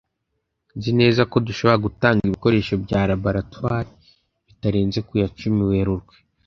nzi neza ko dushobora gutanga ibikoresho bya laboratoire bitarenze ku ya cumi werurwe